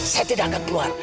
saya tidak akan keluar